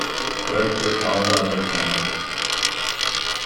Worked with all the other channels.